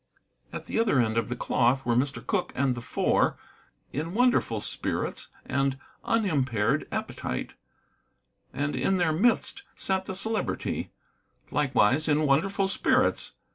At the other end of the cloth were Mr. Cooke and the Four, in wonderful spirits and unimpaired appetite, and in their midst sat the Celebrity, likewise in wonderful spirits.